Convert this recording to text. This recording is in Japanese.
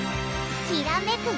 きらめく